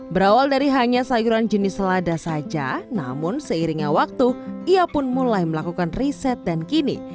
berawal dari hanya sayuran jenis selada saja namun seiringnya waktu ia pun mulai melakukan riset dan kini